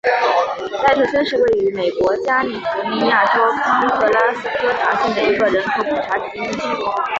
奈特森是位于美国加利福尼亚州康特拉科斯塔县的一个人口普查指定地区。